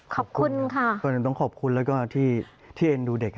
ขอบคุณค่ะส่วนหนึ่งต้องขอบคุณแล้วก็ที่เอ็นดูเด็ก